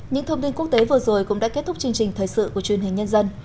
những thông tin quốc tế vừa rồi cũng đã kết thúc chương trình thời sự của truyền hình nhân dân